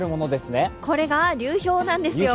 これが流氷なんですよ。